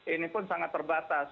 ini pun sangat terbatas